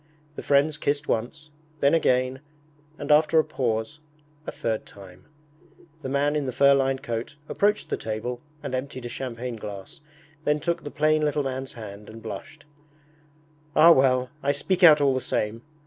The friends kissed once, then again, and after a pause, a third time. The man in the fur lined coat approached the table and emptied a champagne glass, then took the plain little man's hand and blushed. 'Ah well, I will speak out all the same